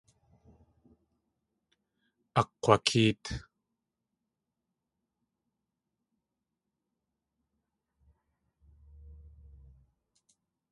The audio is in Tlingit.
Akg̲wakéet.